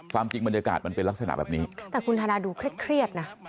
จริงบรรยากาศมันเป็นลักษณะแบบนี้แต่คุณธนาดูเครียดนะ